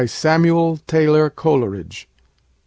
Samuel Taylor Coleridge 416.